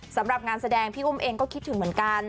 สำหรับงานแสดงพี่อุ้มเองก็คิดถึงเหมือนกัน